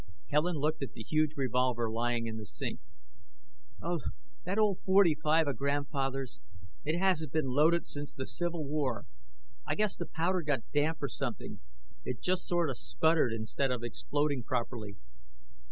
Helen looked at the huge revolver lying in the sink. "Oh, that old forty five of Grandfather's! It hasn't been loaded since the Civil War. I guess the powder got damp or something. It just sort of sputtered instead of exploding properly.